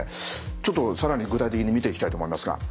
ちょっと更に具体的に見ていきたいと思いますが。